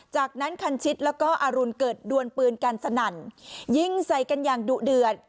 จากนั้นคันชิดแล้วก็อรุณเกิดดวนปืนกันสนั่นยิงใส่กันอย่างดุเดือด